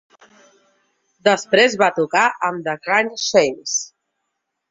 Després va tocar amb The Cryan' Shames.